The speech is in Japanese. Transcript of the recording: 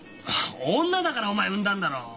女だからお前産んだんだろう！